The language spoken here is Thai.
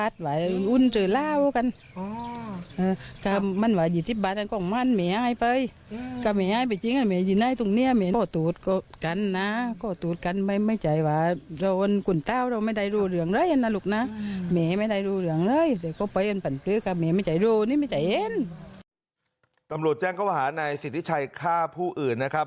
ตำรวจแจ้งข้อหานายสิทธิชัยฆ่าผู้อื่นนะครับ